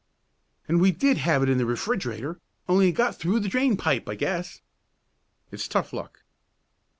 "And we did have it in the refrigerator, only it got out through the drain pipe, I guess." "It's tough luck!"